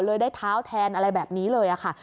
ได้เท้าแทนอะไรแบบนี้เลยค่ะ